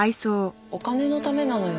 お金のためなのよ。